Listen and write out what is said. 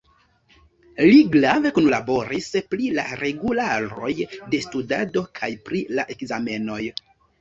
Li grave kunlaboris pri la regularoj de studado kaj pri la ekzamenoj.